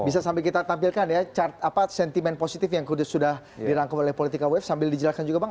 bisa sambil kita tampilkan ya sentimen positif yang sudah dirangkum oleh politika wave sambil dijelaskan juga bang